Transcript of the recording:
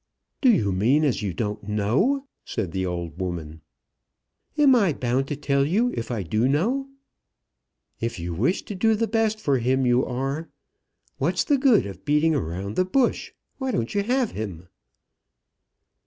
"Do you mean as you don't know?" said the old woman. "Am I bound to tell you if I do know?" "If you wish to do the best for him, you are. What's the good of beating about the bush? Why don't you have him?"